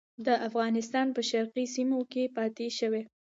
د افغانستان په شرقي سیمو کې پاته شوي.